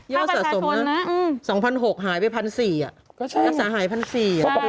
ย่อสะสมนะ๒๐๐๖หายไป๑๔๐๐บาทยักษาหาย๑๔๐๐บาท